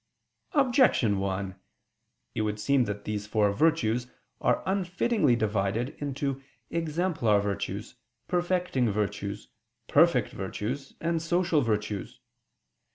Objection 1: It would seem that these four virtues are unfittingly divided into exemplar virtues, perfecting virtues, perfect virtues, and social virtues.